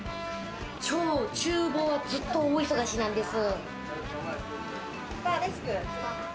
きょう厨房はずっと大忙しなんです。